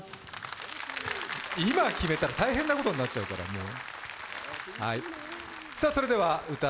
今決めたら大変なことになっちゃうから、もう。